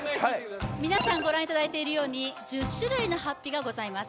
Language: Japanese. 皆さんご覧いただいているように１０種類のハッピがございます